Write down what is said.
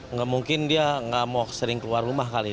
nggak mungkin dia nggak mau sering keluar rumah kali